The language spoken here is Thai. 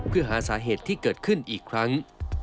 เพื่อหาสาเหตุที่เกิดขึ้นอีกครั้ง